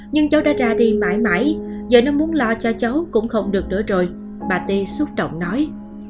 nhưng cháu đã ra đi mãi mãi giờ nó muốn lo cho cháu cũng không được nữa rồi bà tê xúc động nói